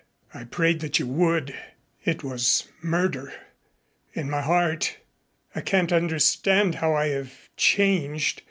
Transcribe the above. I prayed that you would. It was murder in my heart. I can't understand how I have changed.